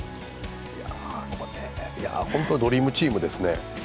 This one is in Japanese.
本当にドリームチームですね。